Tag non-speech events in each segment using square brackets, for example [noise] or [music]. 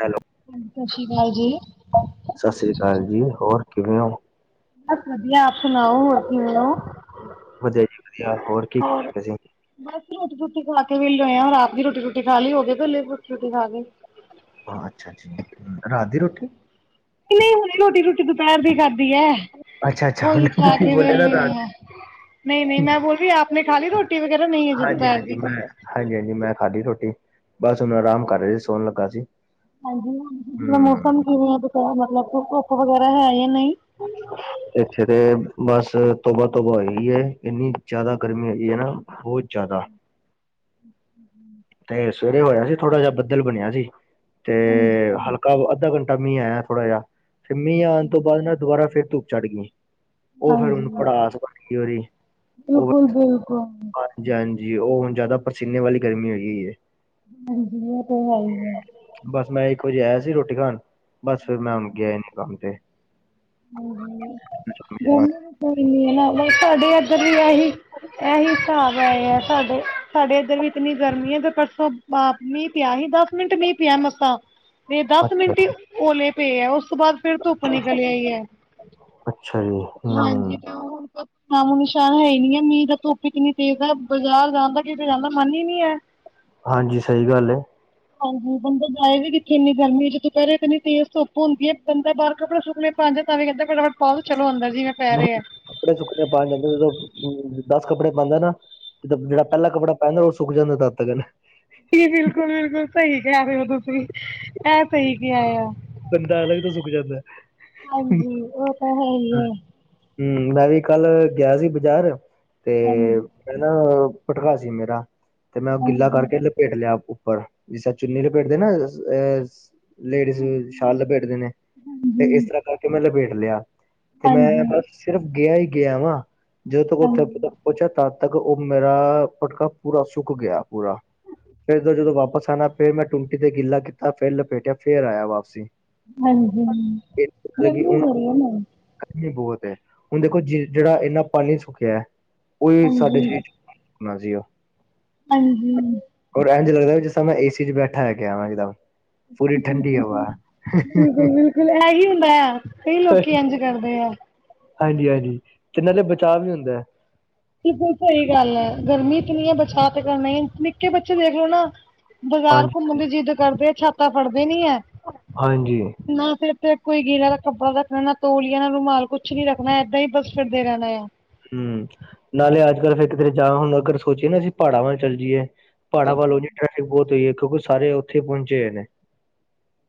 Hello, ਸਤਿ ਸ਼੍ਰੀ ਅਕਾਲ ਜੀ। ਸਤਿ ਸ੍ਰੀ ਅਕਾਲ ਜੀ ਹੋਰ ਕਿਵੇਂ ਹੋ? ਬਸ ਵਧੀਆ ਆਪ ਸੁਣਾਓ ਹੋਰ ਕਿਵੇਂ ਹੋ? ਵਧੀਆ ਜੀ, ਵਧੀਆ, ਹੋਰ ਕੀ ਕਰਦੇ ਸੀ ਤੁਸੀਂ। ਬਸ ਰੋਟੀ ਰੋਟੀ ਖਾ ਕੇ ਵਿਹਲੇ ਹੋਏ ਆ ਰਾਤ ਦੀ ਰੋਟੀ ਰੋਟੀ ਖਾ ਲਈ ਹੋ ਗਏ ਪਹਲੇ ਰੋਟੀ ਰੋਟੀ ਖਾ ਕੇ। ਹਾਂ ਅੱਛਾ ਅੱਛਾ ਜੀ ਰਾਤ ਦੀ ਰੋਟੀ? ਨਹੀਂ, ਹੁਣੀ ਰੋਟੀ ਰੋਟੀ ਦੁਪਹਿਰ ਦੀ ਖਾਦੀ ਹੈ। ਅੱਛਾ-ਅੱਛਾ, ਹੁਣ ਉਹੀ ਖਾ ਤੁਸੀਂ ਕੇ ਬੋਲੇ ਨਾ ਵਿਹਲੇ ਹੋ ਰਾਤ ਦੀ, ਹਾਂ ਨਹੀਂ ਨਹੀਂ ਮੈਂ ਬੋਲ ਰਹੀ ਆਪ ਨੇ ਖਾ ਲਈ ਰੋਟੀ। [unintelligible] ਵਗੈਰਾ ਨਹੀਂ ਹੈ ਹਜੇ ਦੋਪੈਰ ਹਾਂਜੀ-ਹਾਂਜੀ ਦੀ। ਮੈਂ ਹਾਂਜੀ-ਹਾਂਜੀ ਮੈਂ ਖਾਧੀ ਰੋਟੀ ਬਸ ਹੁਣ ਆਰਾਮ ਕਰ ਰਹੇ ਸੋਣ ਲੱਗਾ ਸੀ। ਹਾਂਜੀ ਮਤਲਬ ਮੌਸਮ ਹੂੰ, ਕਿਵੇਂ ਆ ਬ ਮਤਲਬ ਧੁੱਪ ਵਗੈਰਾ ਹੈ ਯਾਂ ਨਹੀਂ ਇੱਥੇ ਤੇ ਬਸ ਤੋਬਾ-ਤੋਬਾ ਹੋਈ ਏ ਇੰਨੀ ਜ਼ਿਆਦਾ ਗਰਮੀ ਹੋਗੀ ਹੈ ਨਾ। ਬਹੁਤ ਜ਼ਿਆਦਾ। [inaudible] ਤੇ ਸਵੇਰੇ ਹੋਇਆ ਸੀ ਥੋੜਾ ਜਿਹਾ ਬੱਦਲ ਬਣਿਆ ਸੀ ਤੇ ਹਾਂਜੀ ਹਲ ਕ ਅਧਾ ਘੰਟਾ ਮੀਂਹ ਆਇਆ ਥੋੜਾ ਜਿਹਾ ਫਿਰ ਮੀਂਹ ਆਣ ਤੋਂ ਬਾਅਦ ਨਾ ਦੁਬਾਰਾ ਫਿਰ ਧੁੱਪ ਚੜ੍ਹ ਗਈ। ਉਹ ਫੇਰ ਹੁਣ ਪੜਾਸ ਬਣਗੀ ਉਦੀ। ਬਿਲਕੁਲ-ਬਿਲਕੁਲ। ਹਾਂਜੀ -ਹਾਂਜੀ, ਉਹ ਹੁਣ ਜ਼ਿਆਦਾ ਪਰਸੀਨੇ ਵਾਲੀ ਗਰਮੀ ਹੋਈ ਹੁਈ ਏ। ਹਾਂਜੀ, ਉਹ ਤੇ ਹੈ ਹੀ ਏ। ਬਸ ਮੈਂ ਇੱਕ ਵਜੇ ਆਇਆ ਸੀ ਰੋਟੀ ਖਾਣ, ਬਸ ਫਿਰ ਮੈਂ ਹੁਣ ਗਿਆ ਈ ਨੀ ਕੰਮ ਤੇ। [unintelligible] ਇਹੀ ਹਿਸਾਬ ਏ ਹੈ ਸਾਡੇ, ਸਾਡੇ ਇੱਧਰ ਵੀ ਇਤਨੀ ਗਰਮੀ ਹੈ ਤੇ ਪਰਸੋਂ ਬਾਪ ਮੀਂਹ ਪਿਆ ਸੀ, ਦਸ ਮਿੰਟ ਮੀਂਹ ਪਿਆ ਮੱਸਾ। ਤੇ ਦਸ ਅੱਛਾ ਮਿੰਟ ਜੀ, ਓਲੇ ਪਏ ਉਸ ਤੋਂ ਬਾਅਦ ਫੇਿਰ ਧੁੱਪ ਨਿਕਲੀ ਆਈ ਏ। ਅੱਛਾ ਜੀ। ਹਮ ਹਾਂਜੀ, [inaudible] ਨਾਮੋ ਨਿਸ਼ਾਨ ਹੈਈ ਨੀ ਏ ਮੀਂਹ ਦਾ, ਧੁੱਪ ਇਤਨੀ ਤੇਜ਼ ਹੈ, ਬਜ਼ਾਰ ਜਾਂਣ ਦਾ ਕਿਤੇ ਜਾਂਣ ਦਾ ਮਨ ਹੀ ਨੀ ਏ। ਹਾਂਜੀ, ਸਹੀ ਗੱਲ ਏ। ਹਾਂਜੀ, ਬੰਦਾ ਜਾਏ ਵੀ ਕਿੱਥੇ ਇੰਨੀ ਗਰਮੀ ਚ' ਦੋਪੈਰੀ ਇਤਨੀ ਤੇਜ਼ ਧੁੱਪ ਹੁੰਦੀ ਹੈ, ਬਦਾ ਬਾਹਰ ਕੱੜੇ ਸੁੱਕਣੇ ਪੰਜ ਤਾਂ ਵੀ ਕਹਿੰਦੇ ਫਟਾਫਟ ਪਾਉ ਤੇ ਚਲੋ ਅਂਦਰ ਜੀਵੇਂ ਪੈ ਨਹੀਂ ਰਿਆ। ਕੱਪੜੇ ਸੁੱਕਣੇੇ ਪਾਉਣ ਜਾਂਦੇ ਉਦੋਂ ਦਸ ਕੱਪੜੇ ਪਾਂਦਾ ਨਾ। ਜ, ਜੇੜਾ ਪਹਿਲਾ ਕੱਪੜਾ ਪੈਂਦਾ ਉਹ ਸੁਕ ਜਾਂਦਾ ਤੱਦ ਤੱਕਨ। ਬਿਲਕੁਲ- ਬਿਲਕੁਲ, ਸਹੀ ਕਹਿ ਰਹੇ ਹੋ ਤੁਸੀਂ ਐ ਸਹੀ ਕਿਆ ਆ। ਬੰਦਾ ਅਲੱਗ ਤੋਂ ਸੁੱਕ ਜਾਂਦਾ ਏ। ਹਾਂਜੀ, ਉਹ ਤਾਂ ਹੈ ਹੀ ਐ। ਹਮ-ਮ-ਮ, ਮੈਂ ਵੀ ਕੱਲ ਗਿਆ ਸੀ ਬਾਜ਼ਾਰ ਤੇ ਹਾਂਜੀ ਮੈਂ ਨਾ ਪਟਕਾ ਸੀ ਮੇਰਾ ਤੇ ਮੈਂ ਗਿੱਲਾ ਹਾਂਜੀ ਕਰਕੇ ਲਪੇਟ ਲਿਆ ਉੱਪਰ। ਜਿਸ ਤਰ੍ਹਾਂ ਚੁੰਨੀ ਲਪੇਟਦੇ ਨਾ ਅ-ਅ, ਲੇਡੀਜ਼ ਸ਼ਾਲ ਲਪੇਟਦੇ ਨੇ ਤੇ ਇਸ ਤਰ੍ਹਾਂ ਕਰਕੇ ਮੈਂ ਲਪੇਟ ਲਿਆ। ਤੇ ਮੈਂ ਹਾਂਜੀ ਬਸ ਸਿਰਫ ਗਿਆ ਹੀ ਗਿਆ ਵਾ, ਜਦੋਂ ਤੱਕ ਉੱਥੇ ਹਾਂਜੀ ਪਹੁੰਚਾ ਤ ਤੱਕ ਉਹ ਮੇਰਾ ਪਟਕਾ ਪੂਰਾ ਸੁੱਕ ਗਿਆ ਪੂਰਾ। ਤ ਫਿਰ ਜਦੋਂ ਵਾਪਸ ਆਣਾ ਫਿਰ ਮੈਂ ਟੁੰਟੀ ਤੇ ਗਿੱਲਾ ਕੀਤਾ, ਫੇਰ ਲਪੇਟਿਆ, ਫੇਰ ਆਇਆ ਵਾਪਸੀ। ਹਾਂਜੀ, ਇਹ ਮਤਲਬ ਕਿ ਗਰਮੀ ਉਹ ਬੜੀ ਏ ਨਾ। ਗਰਮੀ ਬਹੁਤ ਏ ਹੁਣ ਦੇਖੋ ਜ ਜਿਹੜਾ ਇੰਨਾ ਪਾਣੀ ਸੁਖਿਆ ਏ ਉਹੀ ਸਾਡੇ ਹਾਂਜੀ ਸਰੀਰ ਚ' ਨਾ ਜੀਓ। ਹਾਂਜੀ। ਔਰ ਇੰਜ ਲਗਦਾ ਵੀ ਜਿਸ ਤਰ੍ਹਾਂ ਮੈਂ ਏਸੀ ਚ'ਬੈਠਾ ਹੈਗਯਾ ਵਾ ਇੱਕਦਮ। ਪੂਰੀ ਠੰਡੀ ਹਵਾ ਬਿਲਕੁਲ-ਬਿਲਕੁਲ, ਇਹ ਹੀ ਹੁੰਦਾ ਆ ਕਈ ਲੋਕੀ ਇੰਜ ਕਰਦੇ ਆ। ਹਾਂਜੀ -ਹਾਂਜੀ, ਤੇ ਨਾਲੇ ਬਚਾਅ ਵੀ ਹੁੰਦਾ ਏ। ਬਿਲਕੁਲ ਸਹੀ ਗੱਲ ਏ, ਗਰਮੀ ਇਤਨੀ ਏ ਬਚਾਅ ਤਾਂ ਕਰਨਾ ਹੀ, ਨਿੱਕੇ ਬੱਚੇ ਦੇਖਲੋ ਨਾ ਬਾਜ਼ਾਰ ਹਾਂਜੀ ਘੁੰਮਣ ਦੀ ਜਿੱਦ ਕਰਦੇ ਛਾਤਾਂ ਫੜਦੇ ਨੀ ਏ ਹਾਂਜੀ ਨਾ ਫਿਰ ਤੇ ਕੋਈ ਗੀਲਾ ਦਾ ਕੱਪੜਾ ਰੱਖਣਾ ਨਾ ਤੋਲਆ, ਨਾ ਰੁਮਾਲ, ਕੁਛ ਨੀ ਰੱਖਣਾ ਏਦਾਂ ਹੀ ਬੱਸ ਫਿਰਦੇ ਰਹਿਣਾ ਆ। ਹਮ-ਮ, ਨਾਲੇ ਅੱਜ ਕੱਲ੍ਹ ਫੇਿਰ ਕਿਦਰੇ ਜਾ ਹੁਣ ਅਗਰ ਸੋਚੀਏ ਨਾ ਅਸੀਂ ਪਾੜਾਂ ਚੱਲ ਜਾਈਏ। ਪਹਾੜਾਂ ਵੱਲੋਂ ਦੀ ਟ੍ਰੈਫਿਕ ਬਹੁਤ ਹੋਈ ਏ, ਕਿਉਂਕਿ ਸਾਰੇ ਉੱਥੇ ਈ ਪਹੁੰਚੇ ਹੋਏ ਨੇ।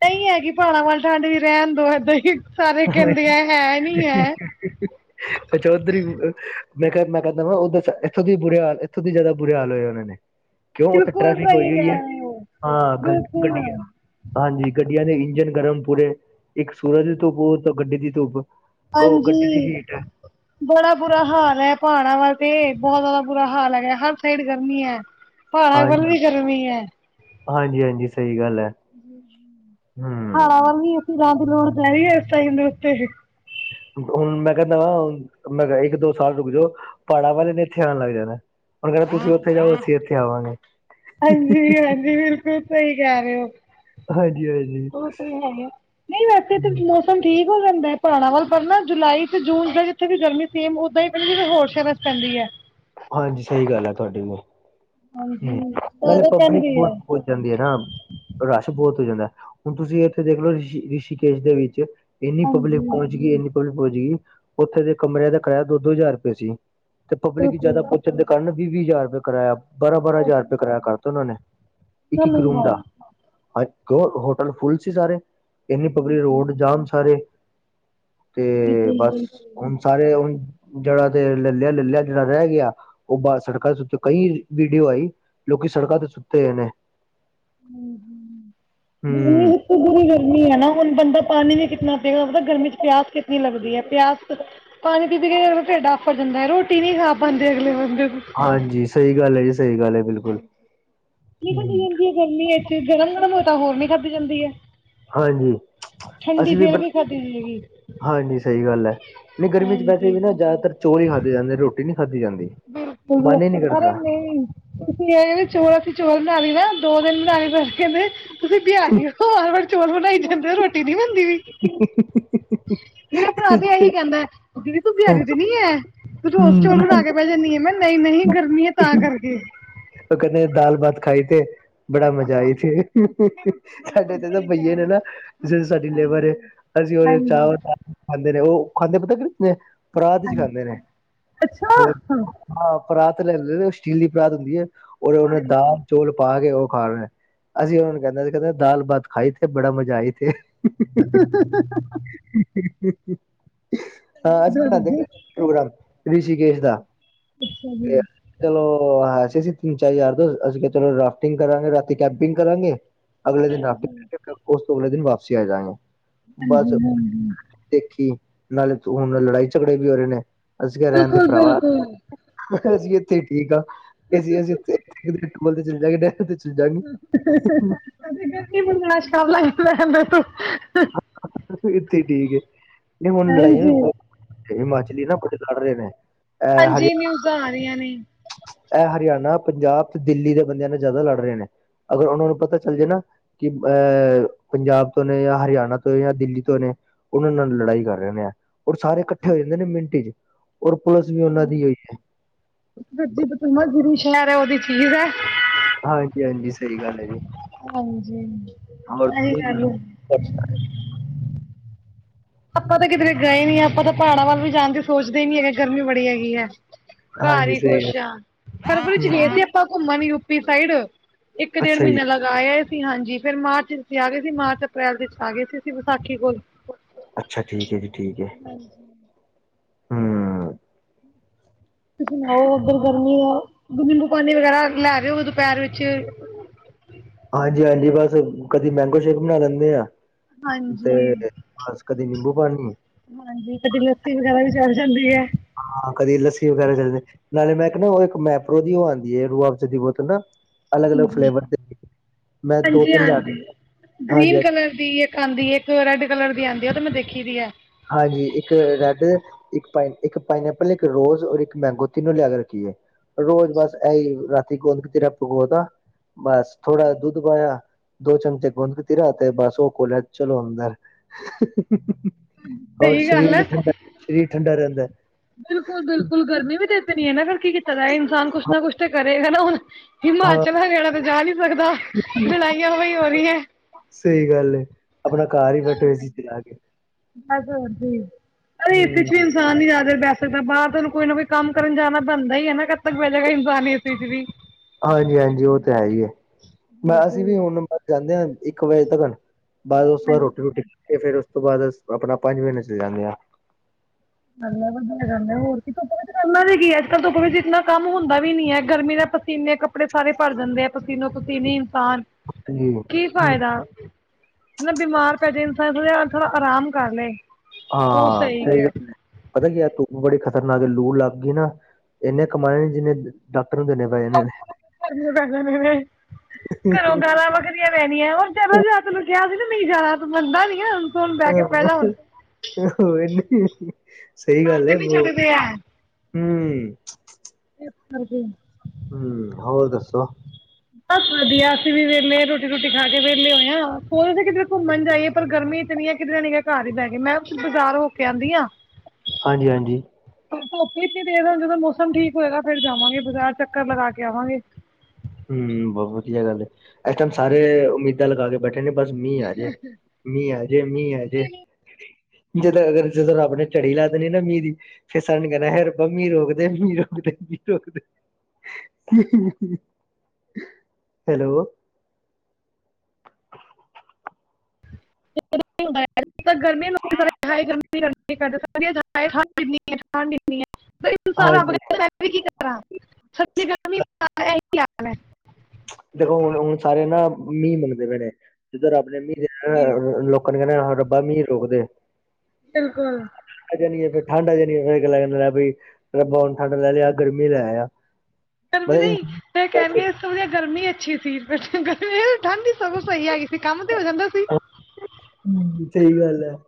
ਨਹੀਂ ਹੈਗੀ ਪਾੜਾਂ ਵੱਲ ਠੰਡ ਵੀ ਰਹਿਣ ਦੋ ਏਦਾਂ ਹੀ ਸਾਰੇ ਕਹਿੰਦੇ ਆ ਹੈ ਨੀ ਹੈ। ਚੌਧਰੀ ਮੈਂ ਕਿਹਾ, ਮੈਂ ਕਹਿੰਦਾ ਵਾ ਉ ਇੱਥੋਂ ਵੀ ਇੱਥੋਂ ਵੀ ਜਾਦਾ ਬੁਰੇ ਹਾਲ ਹੋਏ ਹੋਣੇ। ਕੇਓ ਓਥੇ ਬਿਲਕੁਲ ਟ੍ਰੈਫਿਕ ਸਹੀ ਕਹਿ ਹੋਈਗੀ ਈ, ਰਹੇ ਹੋ ਹਾਂ ਗ ਬਿਲਕੁਲ ਗੱਡੀਆਂ। ਹਾਂਜੀ ਗੱਡੀਆਂ ਦੇ ਇੰਜਨ ਗਰਮ ਪੂਰੇ, ਇੱਕ ਸੂਰਜ ਦੀ ਧੁੱਪ ਓਥੋ ਗੱਡੀ ਦੀ ਧੁੱਪ। ਉਹ ਗੱਡੀ ਦੀ ਹਾਂਜੀ। ਹੀਟ ਹੈ। ਬੜਾ ਬੁਰਾ ਹਾਲ ਐ, ਪਹਾੜਾਂ ਵੱਲ ਤੇ ਬੋਤ ਜਾ਼ਦਾ ਬੁਰਾ ਹਾਲ ਹੈਗੈ ਹਰ ਸੈੜ ਗਰਮੀ ਐ। ਪਹਾੜਾਂ ਵੱਲ ਵੀ ਗਰਮੀ ਐ। ਹਾਂਜੀ-ਹਾਂਜੀ ਸਈ ਗੱਲ ਐ। ਪਹਾੜਾ ਵੱਲ ਨੀ ਅਸੀਂ ਰੈਨ ਦੀ ਲੋੜ [unintelligible] ਏਸ ਟੈਮ ਦੇ ਓਤੇ ਅਸੀ। ਹੁਣ ਮੈਂ ਕੈਂਦਾ ਵਾਂ, ਮੈਂ ਕੇਆ ਇੱਕ ਦੋ ਸਾਲ ਰੁਕ ਜੋ ਪਹਾੜਾਂ ਵਾਲੇ ਨੇ ਏਥੇ ਆਨ ਲੱਗ ਜਾਨਾ ਏ। ਓਨੂੰ ਕੋ ਤੁਸੀਂ ਓਥੇ ਜਾਓ ਅਸੀਂ ਐਥੇ ਆਵਾਂਗੇ। ਹਾਂਜੀ-ਹਾਂਜੀ ਬਿਲਕੁਲ ਸਈ ਕੈ ਰੇ ਓ। ਹਾਂਜੀ ਹਾਂਜੀ ਓ ਤੇ ਹੈਈ ਐ, ਨਈ ਵੈਸੇ ਤੇ ਮੌਸਮ ਠੀਕ ਹੋ ਜਾਂਦਾ ਐ, ਪਹਾੜਾ ਵੱਲ ਪਰ ਨਾ ਜੁਲਾਈ ਤੇ ਜੂਨ ਦਾ ਜਿੱਥੇ ਵੀ ਗਰਮੀ ਸੇਮ ਓਦਾਂ ਈ ਪੈਂਦੀ ਹੋਰ ਜਗਾ ਪੈਂ ਐ। ਹਾਂਜੀ ਸਈ ਗੱਲ ਐ ਤੁਹਾਡੀ ਵੀ, ਹਾਂਜੀ, ਹੂੰ ਨਾਲੇ ਸਾਰੇ ਪਬਲਿਕ ਕਹਿੰਦੇ ਹੈ, ਬੋਤ ਜਾਂਦੀ ਐ ਨਾ, ਰਾਸ਼ ਬੋਤ ਹੋ ਜਾਂਦੈ ਹੁਨ ਤੁਸੀਂ ਏਥੇ ਦੇਖ ਲੋ ਰਿਸ਼ੀ, ਰਿਸ਼ੀਕੇਸ਼ ਦੇ ਵਿੱਚ ਏਨੀ ਪਬਲਿਕ ਹਾਂਜੀ ਪੋਹੰਚ ਗਈ ਏਨੀ ਪਬਲੀਕ ਪੋਹੰਚ ਗਈ, ਓਥੇ ਦੇ ਕਮਰੇਆਂ ਦਾ ਕਰਾਏਆ ਦੋ-ਦੋ ਹਜਾਰ ਰਪੈ ਸੀ। ਤੇ ਪਬਲਿਕ ਬਿਲਕੁਲ ਜੇਆਦਾ ਪੋਚਚਣ ਦੇ ਕਾਰਨ ਨਾ ਵੀਹ-ਵੀਹ ਹਜਾਰ ਰਪੇਆ ਕਰਾਏਆ। ਬਾਰਾਂ, ਬਾਰਾਂ ਹਜਾਰ ਰਪੇਆ ਕਰਾਏਆ ਕਰਤਾ ਓਨਾਂ ਨੇ ਇੱਕ, ਇੱਕ ਰੂਮ ਹਾਂ, ਦਾ। ਹ ਹੋਟਲ ਫੁੱਲ ਸੀ ਸਾਰੇ, ਇਨੀ ਪਬਲੀਕ ਰੋਡ ਜਾਮ ਸਾਰੇ। ਤੇ ਬਸ ਬਿਲਕੁਲ-ਬਿਲਕੁਲ। ਹੋਨ ਸਾਰੇ ਹੋਨ, ਜੇੜਾ ਤੇ ਲੇ ਲੇਆ ਲੈ ਲੇਆ ਜੇੜਾ ਰੈ ਗੇਆ, ਓ ਬਾਰ ਸੜਕਾਂ ਤੇ ਉਤੇ ਕਈ ਵੀੜੀਓ ਆਈ ਲੋਕੀ ਸੜਕਾਂ ਤੇ ਸੁੱਤੇ ਹੋਏ ਨੇ ਹੂੰ, ਹੂੰ ਗਰਮੀ ਏਥੇ ਪੂਰੀ ਗਰਮੀ ਹੈ ਨਾ ਹੁਨ ਬੰਦਾ ਪਾਨੀ ਵੀ ਕਿਤਨਾ ਪੀਨਾ, ਪਤਾ ਗਰਮੀ ਚ ਪੇਆਸ ਕਿਤਨੀ ਲੱਗਦੀ ਏ ਪੇਆਸ ਪਾਣੀ ਪੀ, ਪੀ ਕੇ ਢੇਡ ਆਫਰ ਜਾਂਦਾ ਏ ਰੋਟੀ ਨੀ ਖਾ ਪਾਂਦੇ ਅਗਲੇ ਬੰਦੇ ਬੀ। ਸਈ ਗਾੱਲ ਐ ਜੀ, ਸਈ ਗਾੱਲ ਏ ਬਿਲਕੁਲ। ਨੀਕਲ ਤੇ ਹੂੰ। ਜਾਂਦੀ ਏ ਗਰਮੀ ਏਥੇ, ਗਰਮ-ਗਰਮ ਹੋਏ ਤਾਂ ਹੋਰ ਨੀ ਖਾਦੀ ਜਾਂਦੀ ਏ। ਹਾਂਜੀ। ਅਸੀ ਵੀ ਬ, ਫੇਰ ਖਾਧੀ ਜਾਏਗੀ, ਹਾਂਜੀ ਸਈ ਗਾੱਲ ਐ। ਨਈ ਗਰਮੀ ਚ ਵੈਸੇ ਹਾਂਜੀ। ਵੀ ਨਾ ਜਾਦਾਤਰ ਚੋਲ ਈ ਖਾਦੇ ਜਾਂਦੇ ਰੋਟੀ ਨੀ ਖਾਦੀ ਜਾਂਦੀ। ਬਿਲਕੁਲੁ ਮਨ ਈ ਨੀ ਅਰੇ ਕਰਦਾ। ਨਈ, ਤੁਸੀ ਏ ਚੋਲ ਅਸੀ ਚੋਲ ਬਨਾ ਲਈ ਨਾ ਦੋ ਦਿਨ ਬਣਾਏ, ਸਾੱਸ ਕੈਂਦੇ ਤੁਸੀ ਭੇਆਰੀ ਓ ਚੋਲ ਬਨਾਈ ਜਾਂਦੇ ਓ ਰੋਟੀ ਨੀ ਬਨਦੀ ਪਈ ਮੇਰਾ ਭਰਾ ਤੇ ਐਹੀ ਕੈਂਦੈ, ਦੀਦੀ ਤੂੰ ਹੂੰ, ਬਿਆਰੀ ਤੇ ਨੀ ਐ, ਤੂੰ ਰੋਜ ਚੋਲ ਬਣਾਕੇ ਵੈ ਜਾਂਨੀ ਏ, ਮੈ ਕੈਨੀ ਐ ਨਾ ਨਈ-ਨਹੀਂ ਗਰਮੀ ਐ, ਤਾਂ ਕਰਕੇ ਕੈਂਦੇ ਦਾਲ ਭਾਤ ਖਾਈ ਤੇ ਬੜਾ ਮਜ਼ਾ ਆਈ ਥੇ, ਸਾਡੇ ਏਥੇ ਤਾਂ ਬਈਏ ਨੇ ਨਾ ਜੇੜੀ ਸਾਡੀ ਲੇਬਰ ਏ, ਅਸੀ ਓਦੇ ਚ ਹਾਂਜੀ ਚਾਵਲ ਪਾਕੇ ਖਾਦੇ ਨੇ ਓ ਖਾਦੇ ਪਤਾ ਕਿ ਪਰਾਤ 'ਚ ਖਾਂਦੇ ਨੇ, ਅੱਛਾ ਹੋ ਅੱਛਾ ਹਾਂ ਪਰਾਤ ਲਲੈ ਦੇ ਸਿਟੀਲ ਦੀ ਪਰਾਤ ਹੁੰਦੀ ਐ, ਓਦੇ ਅੰਦਰ ਓਨੇ ਦਾਲ ਚੋਲ ਪਾ ਕੇ ਓ ਖਾਣੇ ਏ। ਅਸੀ ਓਨਾਂ ਨੂੰ ਕੈਨੇ ਆ, ਦੇਖੋ ਦਾਲ ਭਾਤ ਖਾਈ ਥੇ ਬੜਾ ਮਜ਼ਾ ਆਈਥੇ। [unintelligible] [unintelligible] ਹਾਂ ਅਸੀ ਬਣਾਂਦੇ ਜੀ ਪੇਆ ਪ੍ਰੋਗਰਾਮ, ਰਿਸ਼ੀਕੇਸ਼ ਦਾ ਤੇ ਹਾਂਜੀ ਹਾਂ, ਹੈ ਸੀ ਅਸੀ ਤੀਨ-ਚਾਰ ਯਾਰ ਦੋਸਤ, ਅਸੀ ਕੇਆ ਚਲੋ ਰਾਫਟਿੰਗ ਕਰਾਂਗੇ ਰਾਤੀ ਕੈਂਪਿੰਗ ਕਰਾਂਗੇ ਅਗਲੇ ਦਿਨ ਰਾਫਕੇ ਓਸ ਤੋਂ ਅਗਲੇ ਦਿਨ ਵਾਪਸੀ ਆ ਜਾਂਗਾ ਬਾਸ ਹਾਂਜੀ ਦੇਖੀ, ਨਾਲੇ਼ ਹੁਣ ਲੜਾਈ ਝਗੜੇ ਵੀ ਹੋ ਰੇ ਨੇ, ਅਸੀ ਕੇਆ ਰੈਣਦੇ ਬਿਲਕੁਲ ਭਰਾ ਬਿਲਕੁਲ ਅਸੀ ਏਥੇ ਈ ਠੀਕ ਆ, ਅਸੀ-ਅਸੀ ਤੇ 'ਚ [unintelligible] ਅਸੀ ਗਰਮੀ ਬਰਦਾਸ਼ਤ ਕਰ ਲਾਂਗੇ, ਰੈਣ ਦੇ ਤੂੰ ਏਥੇ ਈ ਠੀਕ ਏ। ਨਹੀ ਹੁਣ ਲੜਾਈਆਂ ਵੀ ਹਾਂਜੀ ਬਹੁਤ ਹਿਮਾਚਲੀ ਨਾ ਲੜ ਰਹੇ ਨੇ ਹਾਂਜੀ ਹਰਿਆਣਾ ਨਿਊਜ਼ਾਂ ਆ ਰਹੀਆਂ ਨਹੀ- ਇਹ ਹਰਿਆਣਾ ਪੰਜਾਬ ਤੇ ਦਿੱਲੀ ਦੇ ਬੰਦਿਆਂ ਨਾਲ ਜਿਆਦਾ ਲੜ ਰਹੇ ਨੇ ਅਗਰ ਉਹਨਾਂ ਨੂੰ ਪਤਾ ਚੱਲ ਜਾਏ ਨਾ ਕਿ ਅਹ ਪੰਜਾਬ ਤੋ ਨੇ ਜਾਂ ਹਰਿਆਣਾ ਤੋ ਜਾਂ ਦਿੱਲੀ ਤੋ ਨੇ ਉਹਨਾਂ ਨਾਲ ਲੜਾਈ ਕਰ ਰਹੇ ਨੇ ਔਰ ਸਾਰੇ ਇਕਠੇ ਹੋ ਜਾਦੇ ਨੇ ਮਿੰਟ 'ਚ ਔਰ ਪੁਲਿਸ ਵੀ ਉਹਨਾਂ ਦੀ ਹੋਈ ਹੈ। ਦੂਜੀ ਤਮਾਜਰੀ ਸ਼ਹਿਰ ਉਹਦੀ ਚੀਜ ਹੈ। ਹਾਂਜੀ- ਹਾਂਜੀ ਸਹੀ ਗੱਲ ਹੈ ਜੀ ਹਾਂਜੀ ਹੋਰ ਤੁਸੀਂ ਆਪਾਂ ਤਾਂ ਕਿਧਰੇ ਗਏ ਨੀ ਆਪਾਂ ਤਾਂ ਪਹਾੜਾਂ ਵਲ ਵੀ ਜਾਣਦੇ ਸੋਚਦੇ ਹੀ ਨੀ ਹੈਗੇ ਗਰਮੀ ਬੜੀ ਹੈਗੀ ਹੈ। ਘਰ ਹਾਂਜੀ ਹੀ ਸਹੀ ਖੁਸ਼ ਆ ਫਰਵਰੀ 'ਚ ਗਏ ਗੱਲ ਸੀ ਆਪਾ ਘੁੰਮਣ ਯੂਪੀ ਸਾਈਡ ਇਕ ਡੇਢ ਅੱਛਾ ਜੀ ਮਹੀਨੇ ਲਗਦਾ ਅਇਆ ਸੀ ਹਾਂਜੀ ਫੇਰ ਮਾਰਚ ਆ ਗਏ ਸੀ ਮਾਰਚ ਅਪ੍ਰੈਲ ਦੇ ਆ ਗਏ ਸੀ ਵਿਸਾਖੀ ਕੋਲ ਅੱਛਾ ਠੀਕ ਹੈ ਜੀ ਠੀਕ ਹੈ। ਹਾਂਜੀ ਹਮ ਤੁਸੀਣਾਓ ਉਧਰ ਗਰਮੀ ਦਾ ਨਿੰਬੂ ਪਾਣੀ ਵਗੈਰਾ ਲੈ ਰਹੇ ਹੋ ਦੁਪਹਿਰ ਵਿਚ ਹਾਂਜੀ- ਹਾਂਜੀ ਬਸ ਕਦੀ ਮੈਂਗੋ ਸ਼ੇਕ ਬਣਾ ਲੈਂਦੇ ਆ ਤੇ ਹਾਂਜੀ ਬਸ ਕਦੇ ਨਿੰਬੂ ਪਾਣੀ- ਹਾਂਜੀ ਕਦੀ ਲੱਸੀ ਵਗੈਰਾ ਵੀ ਚੱਲ ਜਾਂਦੀ ਹੈ। ਹਾਂ ਕਦੀ ਲੱਸੀ ਵਗੈਰਾ ਚੱਲਦੇ- ਨਾਲੇ ਮੈਂ ਕਿਹਾ ਉਹ ਇਕ ਮੈਪਰੋ ਦੀ ਉਹ ਆਦੀ ਹੈ ਰੂਅਫਜਾ ਬੋਤਲ ਨਾ ਅਲਗ ਅਲਗ ਹਾਂਜੀ ਫਲੇਵਰ ਦੇ ਮੈ ਦੋ ਤਿੰਨ ਲਿਆ ਹਾਂਜੀ- ਹਾਂਜੀ- ਕਰਦੀ ਹੈ। ਇਕ ਆਦੀ ਹੈ ਇਕ ਰੈੱਡ ਕਲਰ ਦੀ ਆਉਦੀ ਹੈ ਉਹ ਤੇ ਮੈ ਦੇਖੀ ਦੀ ਹੈ। ਹਾਂਜੀ ਇਕ ਰੈਡ- ਇੱਕ ਇੱਕ ਪਾਈਨੈਪਲ ਇੱਕ ਰੋਜ਼ ਔਰ ਇੱਕ ਮੈਂਗੋ ਤਿੰਨੋ ਲਿਆ ਕੇ ਰੱਖੀਏ ਰੋਜ਼ ਬਸ ਐਹੀ ਰਾਤੀ ਗੁੰਦਕਤੀਰਾ ਭਿਗੋਤਾ ਬਸ ਥੋੜਾ ਦੁੱਧ ਪਾਇਆ ਦੋ ਚਮਚੇ ਗੂੰਦਕਤੀਰਾ ਤੇ ਬਸ ਉਹ ਘੋਲਿਆ ਚਲੋ ਅੰਦਰ ਔਰ ਸਹੀ ਸਰੀਰ ਗੱਲ ਐ ਵੀ ਠੰਡਾ ਸਰੀਰ ਠੰਡਾ ਰਹਿੰਦਾ ਬਿਲਕੁਲ ਬਿਲਕੁਲ ਗਰਮੀ ਵੀ ਤੇ ਇਤਨੀ ਹੈ ਨਾ ਫਿਰ ਕੀ ਕੀਤਾ ਜਾ ਇਨਸਾਨ ਕੁਛ ਨਾ ਕੁਛ ਤੇ ਕਰੇਗਾ ਨਾ ਹੁਣ ਹਾਂ ਹਿਮਾਚਲ ਹਰਿਆਣਾ ਤੇ ਜਾ ਨਹੀਂ ਸਕਦਾ ਲੜਾਈਆਂ ਹੋ ਰਹੀਆਂ ਸਹੀ ਗੱਲ ਹੈ ਆਪਣਾ ਘਰ ਹੀ ਬੈਠੇ ਹੋਏ ਏ ਸੀ ਚਲਾ ਕੇ ਅ ਇਸ ਵਿਚ ਵੀ ਹੂੰ। ਇਨਸਾਨ। ਵੈਸੇ ਤਾਂ ਬਾਹਰ ਤੁਹਾਨੂੰ ਕੋਈ ਨਾ ਕੋਈ ਕੰਮ ਕਰਨ ਜਾਣਾ ਪੈਂਦਾ ਹੀ ਹੈ ਨਾ ਕਦ ਤੱਕ ਬੈਠੇਗਾ ਇਨਸਾਨ ਵੀ ਹਾਂਜੀ, ਹਾਂਜੀ ਉਹ ਤਾਂ ਹੈ ਹੀ ਹੈ ਮੈਂ ਅਸੀਂ ਵੀ ਹੁਣ ਜਾਂਦੇ ਹਾਂ ਇੱਕ ਵਜੇ ਤੱਕਰ। ਬਾਅਦ ਉਸ ਤੋਂ ਬਾਅਦ ਰੋਟੀ ਰੁਟੀ ਖਾ ਕੇ ਫਿਰ ਉਸ ਤੋਂ ਬਾਅਦ ਆਪਣਾ ਪੰਜ ਵਜੇ ਤਕ ਚਲੇ ਜਾਂਦੇ ਆ। ਵਧੀਆ ਗੱਲ ਹੈ ਹੋਰ ਕੀ ਧੁੱਪ ਵਿੱਚ ਕਰਨਾ ਵੀ ਕੀ ਹੈ ਕੀ ਅੱਜ ਕੱਲ ਧੁੱਪ ਵਿੱਚ ਇਨਾ। ਕੰਮ ਹੁੰਦਾ ਵੀ ਨੀ ਹੈ ਗਰਮੀ ਨਾਲ ਪਸੀਨੇ ਕੱਪੜੇ ਸਾਰੇ ਭਰ ਜਾਂਦੇ ਆ ਪਸੀਨੋ ਪਸੀਨੀ ਇਨਸਾਨ ਜੀ ਕੀ ਫਾਇਦਾ ਮਤਲਬ ਬਿਮਾਰ ਪੈ ਜੇ ਇਨਸਾਨ ਥੋੜਾ ਅਰਾਮ ਕਰ ਲਏ। ਹਾਂ ਸਹੀ ਗੱਲ। ਪਤਾ ਕੀ ਆ ਧੁੱਪ ਬੜੀ ਖਤਰਨਾਕ ਆ ਲੂ ਲੱਗ ਗਈ ਨਾ ਇੰਨੇ ਕਮਾਏ ਨਹੀ ਜਿੰਨੇ। ਡਾਕਟਰ ਨੂੰ ਦੇਣੇ ਪਏ ਨੇ। ਘਰੋਂ ਗਾਂਲਾਂ। ਪੈਣੀਆਂਰ ਜਦਦਾਿਆ ਕਿਹਾ ਸੀ ਨਾ ਨਹੀਂ ਜ਼ਿਆਦਾ ਮੰਨਦਾ ਨੀ ਸੁਣ ਬਹਿ ਕੇ ਪਹਿਲਾਂ ਹੁਣ ਹਾਂਨੀੇ [inaudible] ਸਹੀ ਘਰ ਗੱਲ ਤੇ ਹੈ ਨਹੀਂ ਬ ਛੱਡਦੇ ਹੈ ਹਮ। ਹਾਂਜੀ ਹਮ ਹੋਰ ਦੱਸੋ? ਬਸ ਵਧੀਆ ਅਸੀਂ ਵੀ ਵੇਹਲੇ ਰੋਟੀ ਰੁਟੀ ਖਾ ਕੇ ਵੇਹਲੇ ਹੋਏ ਹਾਂ ਸੋਚਦੇ ਸੀ ਕਿਦਰੇ ਘੁੰਮਣ ਜਾਈਏ ਪਰ ਗਰਮੀ ਇਤਨੀ ਹੈ। ਕਿਧਰੇ ਨੀ ਗਏ ਘਰ ਹੀ ਬਹਿਗੇ ਮੈਂ ਬਾਜ਼ਾਰ ਹੋ ਕੇ ਆਂਦੀ ਹਾਂ। ਹਾਂਜੀ ਹਾਂਜੀ ਪਰ ਧੁੱਪ ਇੱਨੀ ਤੇਜ਼ ਐ ਜਦੋਂ ਮੌਸਮ ਠੀਕ ਹੋਏਗਾ ਫਿਰ ਜਾਵਾਂਗੇ ਬਾਜ਼ਾਰ ਚੱਕਰ ਲੱਗਾ ਕੇ ਆਵਾਂਗੇ। ਹੂੰ ਬਹੁਤ ਵਧੀਆ ਗੱਲ ਏ ਇਸ ਟਾਈਮ ਸਾਰੇ ਉਮੀਦਾਂ ਲੱਗਾ ਕੇ ਬੈਠੇ ਨੇ ਬਸ ਮੀਂਹ ਆ ਜੇ ਮੀਂਹ ਆ ਜੇ- ਮੀਂਹ ਆ ਜੇ ਜਦੋਂ ਅਗਰ ਜਦੋਂ ਰੱਬ ਨੇ ਝੜੀ ਲਾ ਦੇਣੀ ਨਾ ਮੀਂਹ ਦੀ ਫਿਰ ਸਰਿਆਂ ਨੇ ਕਹਿਣਾ ਹੈ ਰਬਾ ਮੀਂਹ ਰੋਕਦੇ ਮੀਂਹ ਰੋਕਦੇ ਮੀਂਹ ਰੋਕਦੇ। [inaudible] ਹੈਲੋ। ਗਰਮੀ ਗਰਮੀ [inaudible] ਸਾਰਾ ਬ ਹਾਂਜੀ [unintelligible] ਵੀ ਕੀ ਕਰਾਂ। ਦੇਖੋ ਹੁਣ ਹੁਣ ਸਾਰੇ ਨਾ ਮੀਂਹ ਮੰਗਦੇ ਪਏ ਨੇ ਜਿੱਧਰ ਰੱਬ ਨੇ ਮੀਂਹ ਦੇਣਾ। ਹੁਣ ਕਹਿਦੇ ਹਾਏ ਰੱਬਾ ਮੀਹ ਰੋਕਦੇ। ਬਿਲਕੁਲ ਆ ਜਾਣੀ ਫਿਰ ਠੰਡ ਆ ਜਾਣੀ ਫਿਰ‌ ਗੱਲਾਂ ਲੈ ਬਈ ਰੱਬਾ ਹੁਣ ਠੰਡ ਲੈ ਲਿਆ ਦੇ ਐ ਗਰਮੀ ਲੈ ਆ। ਕਰ ਵੀ ਨਹੀ ਫੇਰ ਕਹਿਣਗੇ ਇਸ ਤੋਂ ਵਧੀਆ ਗਰਮੀ ਅੱਛੀ ਸੀ ਫੇਰ ਗਰਮੀ [inaudible] ਆ ਗੀ ਫੇਰ ਠੰਢ ਹੀ ਸਗੋਂ ਸਹੀ ਹੈਗੀ ਸੀ ਕੰਮ ਤੇ ਹੋ ਜਾਂਦਾ ਸੀ। ਹੂੰ ਸਹੀ ਗੱਲ ਏ। [inaudible]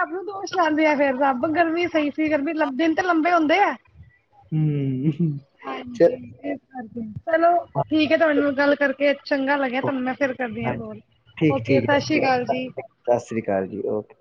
ਰਬ ਨੂੰ ਦੋਸ਼ ਲਾਦੇ ਆ ਫੇਰ ਰੱਬ ਗਰਮੀ ਸਹੀ ਸੀ ਗਰਮੀ ਦਿਨ ਤੇ ਲੰਬੇ ਹੁੰਦੇ ਆ। ਹੂੰ [inaudible] [inaudible] ਹਾਂਜੀ ਚਲ ਇਸ ਕਰਕੇ ਚਲੋ ਠੀਕ ਹੈ ਤੁਹਾਨੂੰ ਗੱਲ ਕਰਕੇ ਚੰਗਾ ਲੱਗਿਆ ਤੁਹਾਨੂੰ ਮੈਂ ਫੇਰ ਕਰਦੀ ਹਾਂ ਹਾਂਜੀ ਕੋਲ ਠੀਕ ਓਕੇ ਠੀਕ ਸਤਿ ਸ਼੍ਰੀ ਐ। ਅਕਾਲ ਜੀ। ਸਤਿ ਸ਼੍ਰੀ ਅਕਾਲ ਜੀ ਓਕੇ